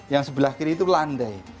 yang sebelah kiri itu landai